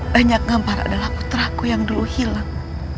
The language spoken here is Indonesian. banyak ngampar adalah putraku yang dulu hilang